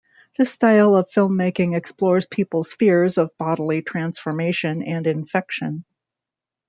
This style of filmmaking explores people's fears of bodily transformation and infection.